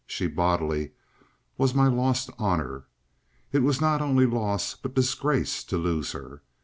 She, bodily, was my lost honor. It was not only loss but disgrace to lose her.